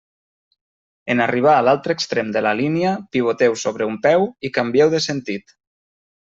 En arribar a l'altre extrem de la línia, pivoteu sobre un peu i canvieu de sentit.